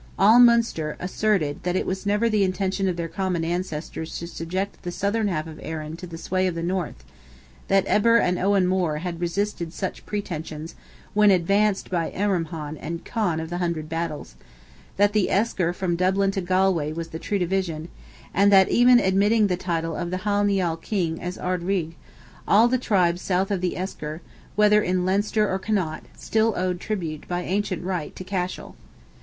All Munster asserted that it was never the intention of their common ancestors to subject the southern half of Erin to the sway of the north; that Eber and Owen More had resisted such pretensions when advanced by Eremhon and Conn of the Hundred Battles; that the esker from Dublin to Galway was the true division, and that, even admitting the title of the Hy Nial king as Ard Righ, all the tribes south of the esker, whether in Leinster or Connaught, still owed tribute by ancient right to Cashel.